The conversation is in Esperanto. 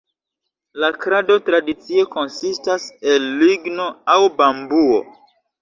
La krado tradicie konsistas el ligno aŭ bambuo.